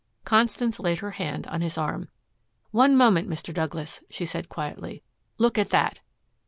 Constance laid her hand on his arm. "One moment, Mr. Douglas," she said quietly. "Look at that!"